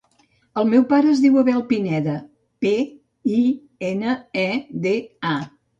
El meu pare es diu Abel Pineda: pe, i, ena, e, de, a.